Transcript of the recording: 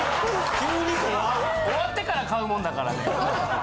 終わってから買うもんだからね。